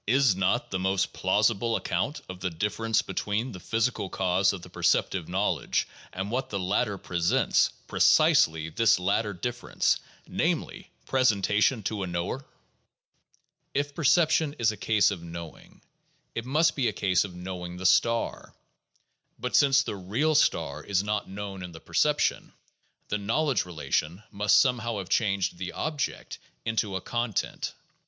Is not the most plausible account of the difference between the physical cause of the percep tive knowledge and what the latter presents precisely this latter difference — namely, presentation to a knower? If perception is a case of knowing, it must be a case of knowing the star ; but since the "real" star is not known in the perception, the knowledge relation must somehow have changed the "object" into a "content."